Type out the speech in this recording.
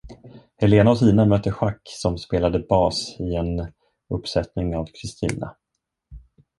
Helena och Tina mötte Jacques som spelade bas i en uppsättning av Kristina.